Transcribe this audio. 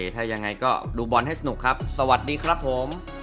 ถ้ายังไงก็ดูบอลให้สนุกครับสวัสดีครับผม